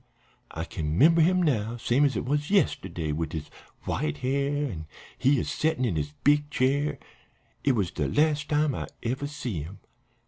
I kin 'member him now same as it was yesterday, wid his white hair, an' he a settin' in his big chair. It was de las' time I ever see him.